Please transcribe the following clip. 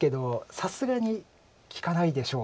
さすがに利かないでしょう。